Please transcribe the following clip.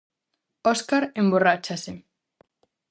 Óscar emborráchase.